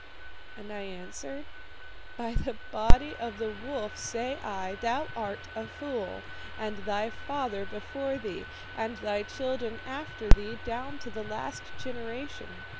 "And I answered: 'By the body of the wolf, say I, thou art a fool, and thy father before thee, and thy children after thee, down to the last generation.